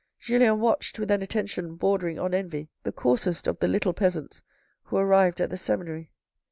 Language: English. Julien watched with an attention bordering on envy the coarsest of the little peasants who arrived at the seminary.